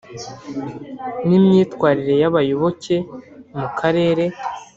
n imyitwarire y abayoboke mu Karere